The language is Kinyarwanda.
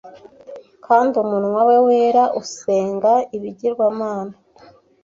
kandi umunwa we wera usenga ibigirwamana